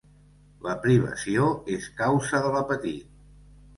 La privació és causa de l'apetit.